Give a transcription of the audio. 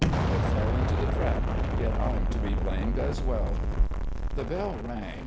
I fell, into the trap, yet I'm to be blamed as well." The bell rang.